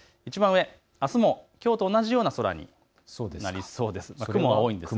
あすもきょうと同じような空になりそうです。